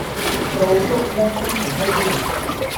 做足一星期七天